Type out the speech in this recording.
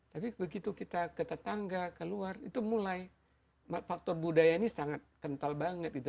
tapi begitu kita ke tetangga keluar itu mulai faktor budaya ini sangat kental banget gitu